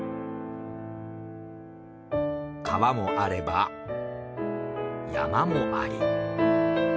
川もあれば山もあり。